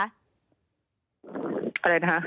อะไรนะคะ